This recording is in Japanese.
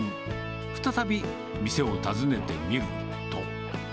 再び店を訪ねてみると。